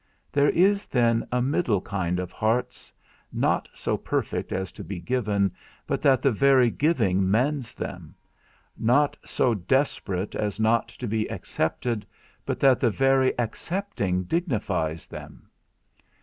There is then a middle kind of hearts, not so perfect as to be given but that the very giving mends them; not so desperate as not to be accepted but that the very accepting dignifies them.